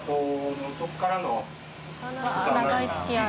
長い付き合い。